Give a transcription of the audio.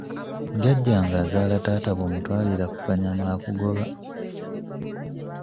Jjajjange azaala taata bw'otamutwalira ku kanyama akugoba.